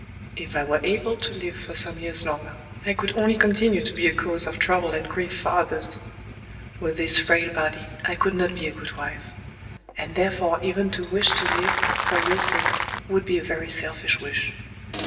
If I were able to live for some years longer, I could only continue to be a cause of trouble and grief for others. With this frail body, I could not be a good wife; and therefore even to wish to live, for your sake, would be a very selfish wish.